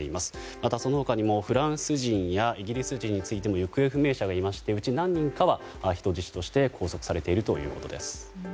また、その他にもフランス人やイギリス人についても行方不明者がいましてうち何人かは人質として拘束されているということです。